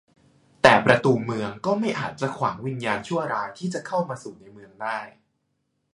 แต่ประตูเมืองก็ไม่อาจจะขวางวิญญาณชั่วร้ายที่จะเข้ามาสู่ในเมืองได้